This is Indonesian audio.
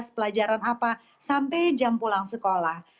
pelajaran apa sampai jam pulang sekolah